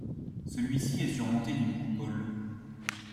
Celui-ci est surmonté d'une coupole.